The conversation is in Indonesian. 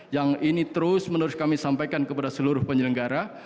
yang ini terus menerus kami sampaikan kepada seluruh penyelenggara